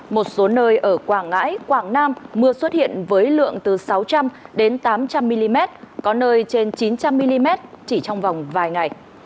một số nơi ở quảng ngãi quảng nam mưa xuất hiện với lượng từ sáu trăm linh đến tám trăm linh mm có nơi trên chín trăm linh mm chỉ trong vòng vài ngày